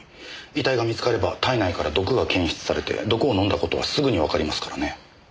遺体が見つかれば体内から毒が検出されて毒を飲んだ事はすぐにわかりますからね。